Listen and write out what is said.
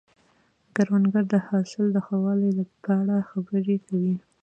کروندګر د حاصل د ښه والي په اړه خبرې کوي